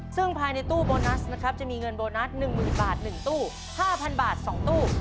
ซึ่งภายในตู้โบนัสนะครับจะมีเงินโบนัส๑๐๐๐บาท๑ตู้๕๐๐บาท๒ตู้